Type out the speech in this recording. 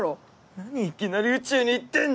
何いきなり宇宙に行ってんだ。